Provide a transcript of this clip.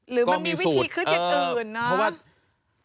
หรือมันมีวิธีคิดอย่างอื่นเนาะ